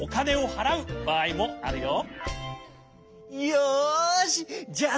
よしじゃあ